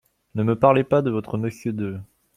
Ne me parlez pas de votre Monsieur de ***.